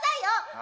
あ？